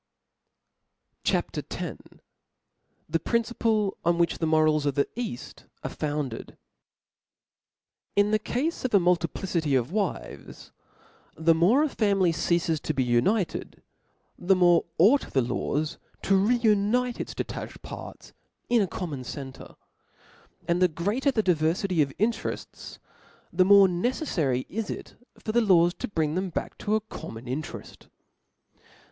OF L A W $• 379 C H A P. X. The Principle Qn which the Morals of the Eaft . are founded. IN the cafe of a multiplicity of wives, the more Book a family ceafes to be united, the more ought ch^p!\*o. the laws to reunite its detached parts in a common center; and the greater the diverfity of interefts, the more neceflary it is for the laws to bring them back to a common intereft.